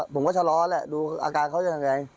ผมก็จะยังหน้าแหละดูอาการเขาวิ่งอะไร